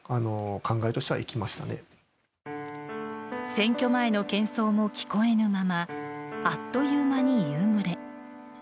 選挙前の喧騒も聞こえぬままあっという間に夕暮れ。